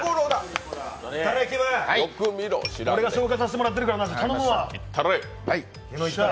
俺が紹介させてもらってるからな、頼むわ。